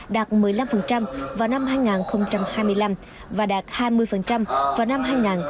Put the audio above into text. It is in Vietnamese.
đạt một mươi năm vào năm hai nghìn hai mươi năm và đạt hai mươi vào năm hai nghìn ba mươi